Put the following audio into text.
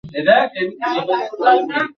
Stella, এগুলো ধরবে না না, না।